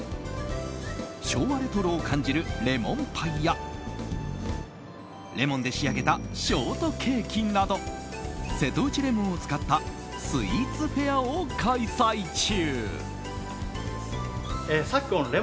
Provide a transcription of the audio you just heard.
昭和レトロを感じるレモンパイやレモンで仕上げたショートケーキなど瀬戸内レモンを使ったスイーツフェアを開催中。